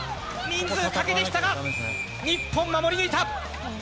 人数かけてきたが、日本守り抜いた。